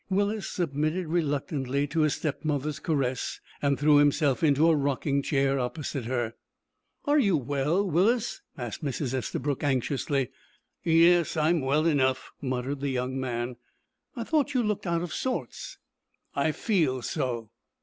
Willis submitted reluctantly to his stepmother's caress, and threw himself into a rocking chair opposite her. "Are you well, Willis?" asked Mrs. Estabrook, anxiously. "Yes, I'm well enough," muttered the young man. "I thought you looked out of sorts." "I feel so."